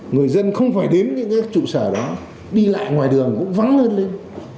người dân không phải đến những trụ sở đó đi lại ngoài đường cũng vắng hơn lên